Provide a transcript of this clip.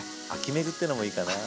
メグっていうのもいいかな。